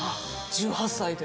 １８歳で。